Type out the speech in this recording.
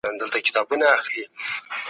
بریالیتوب له ځان څخه پیلېږي.